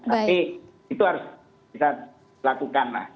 tapi itu harus bisa dilakukan lah